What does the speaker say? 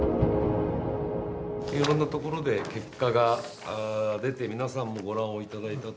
いろんなところで結果が出て皆さんもご覧をいただいた。